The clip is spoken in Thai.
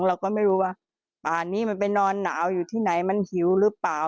เราก็ไม่รู้ว่าป่านนี้มันไปนอนหนาวอยู่ที่ไหนมันหิวหรือเปล่า